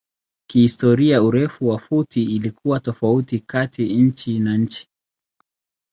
Kihistoria urefu wa futi ilikuwa tofauti kati nchi na nchi.